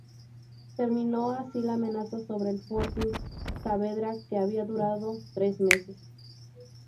Terminó así la amenaza sobre el fortín Saavedra que había durado tres meses.